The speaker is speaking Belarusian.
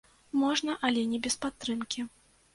Можна, але не без падтрымкі.